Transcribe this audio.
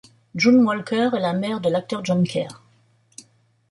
June Walker est la mère de l'acteur John Kerr.